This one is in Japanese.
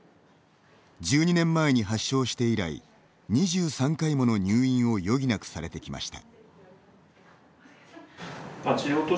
１２年前に発症して以来２３回もの入院を余儀なくされてきました。